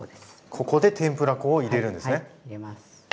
ここで天ぷら粉を入れるんですね。